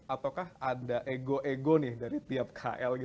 atau ada ego ego dari tiap kl